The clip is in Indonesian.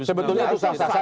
sebetulnya itu saksasa